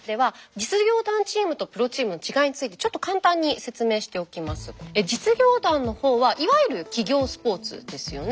実業団の方はいわゆる企業スポーツですよね。